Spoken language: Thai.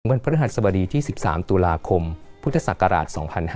เมืองพระธรรมดีที่๑๓ตุลาคมพุทธศักราช๒๕๕๙